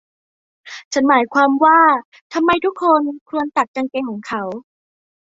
ฉันหมายความว่า ทำไมทุกคนควรตัดกางเกงของเขา ?